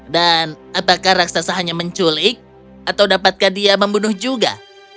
dan apakah raksasa hanya menculik atau dapatkah dia membunuh juga